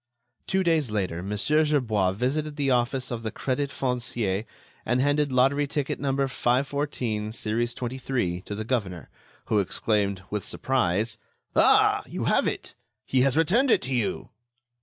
Two days later, Mon. Gerbois visited the office of the Crédit Foncier and handed lottery ticket number 514, series 23, to the governor, who exclaimed, with surprise: "Ah! you have it! He has returned it to you!"